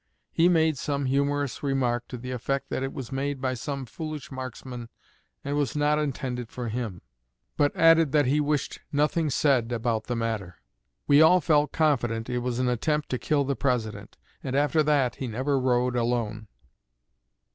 He made some humorous remark, to the effect that it was made by some foolish marksman and was not intended for him; but added that he wished nothing said about the matter. We all felt confident it was an attempt to kill the President, and after that he never rode alone."